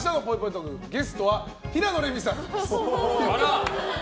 トークゲストは平野レミさん。